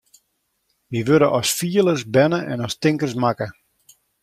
Wy wurde as fielers berne en ta tinkers makke.